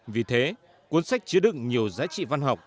vì thế cuốn sách chứa đựng nhiều giá trị